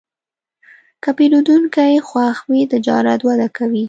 که پیرودونکی خوښ وي، تجارت وده کوي.